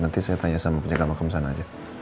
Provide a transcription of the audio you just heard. nanti saya tanya sama penjaga makam sana aja